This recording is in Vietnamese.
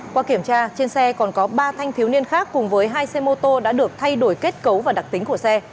qua kiểm tra trên xe còn có ba thanh thiếu niên khác cùng với hai xe mô tô đã được thay đổi kết cấu và đặc tính của xe